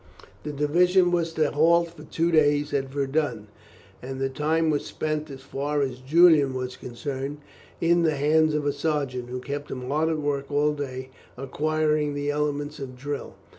The division was to halt for two days at Verdun, and the time was spent, as far as Julian was concerned, in the hands of a sergeant, who kept him hard at work all day acquiring the elements of drill.